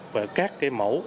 về các mẫu